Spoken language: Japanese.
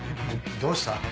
どうした？